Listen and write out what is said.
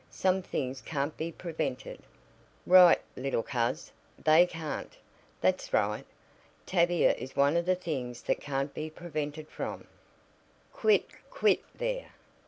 Some things can't be prevented." "Right, little coz, they can't. That's right. Tavia is one of the things that can't be prevented from " "Quit! quit there!